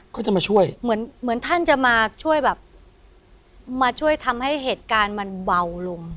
ก็จะมาช่วยเหมือนเหมือนท่านจะมาช่วยแบบมาช่วยทำให้เหตุการณ์มันเบาลง